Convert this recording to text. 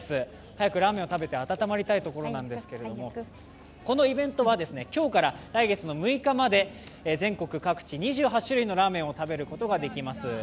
早くラーメンを食べて温まりたいところなんですけれどもこのイベントは今日から来月６日まで全国各地２８種類のラーメンを食べることができます。